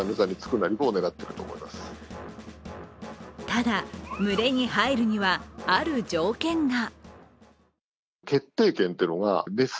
ただ、群れに入るには、ある条件が。